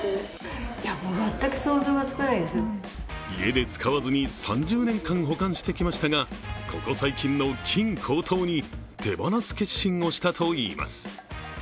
家で使わずに３０年間保管してきましたが、ここ最近の金高騰に手放す決心をしたといいます。